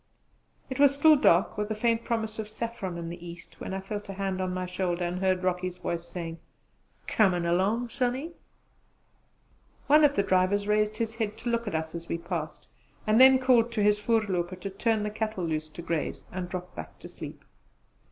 It was still dark, with a faint promise of saffron in the East, when I felt a hand on my shoulder and heard Rocky's voice saying, "Comin' along, Sonny?" One of the drivers raised his head to look at us as we passed, and then called to his voorlooper to turn the cattle loose to graze, and dropped back to sleep.